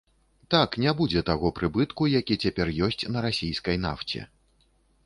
Так, не будзе таго прыбытку, які цяпер ёсць на расійскай нафце.